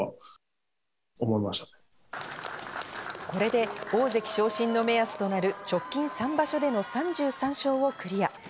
これで大関昇進の目安となる直近３場所での３３勝をクリア。